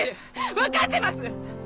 わかってます！